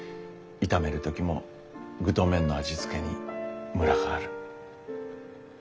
炒める時も具と麺の味付けにムラがある。